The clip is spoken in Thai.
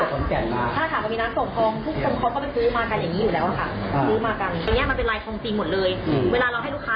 ถ้าถามว่ามีน้ำส่งทุกคนเขาก็ไปซื้อมากันอย่างนี้อยู่แล้วค่ะ